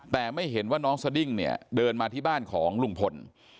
แต่ไม่เห็นว่าน้องสดิ้งเนี่ยเดินมาที่บ้านของลุงพล